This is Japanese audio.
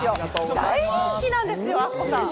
大人気なんですよ、アッコさん。